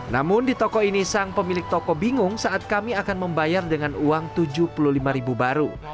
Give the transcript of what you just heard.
namun di toko ini sang pemilik toko bingung saat kami akan membayar dengan uang rp tujuh puluh lima ribu baru